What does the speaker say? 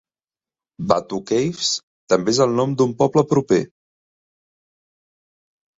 Batu Caves també és el nom d'un poble proper.